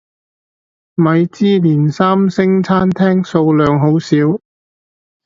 米芝蓮三星餐廳數量好少